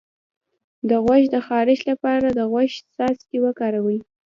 د غوږ د خارش لپاره د غوږ څاڅکي وکاروئ